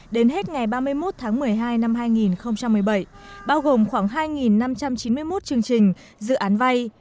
đến hết ngày ba mươi một tháng một mươi hai năm hai nghìn một mươi bảy bao gồm khoảng hai năm trăm chín mươi một chương trình dự án vay